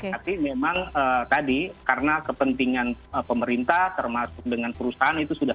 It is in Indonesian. tapi memang tadi karena kepentingan pemerintah termasuk dengan perusahaan itu sudah